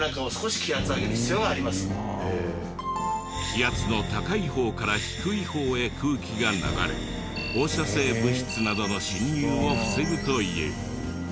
気圧の高い方から低い方へ空気が流れ放射性物質などの侵入を防ぐという。